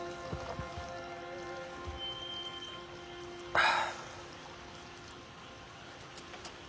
はあ。